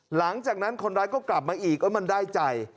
หลังจากนั้นคนร้ายก็กลับมาอีกก็มันได้ใจ